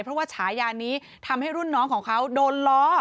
เพราะว่าฉายานี้ทำให้รุ่นน้องของเขาโดนล้อ